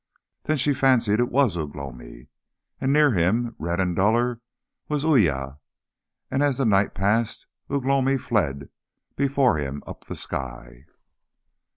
Then she fancied it was Ugh lomi. And near him, red and duller, was Uya, and as the night passed Ugh lomi fled before him up the sky.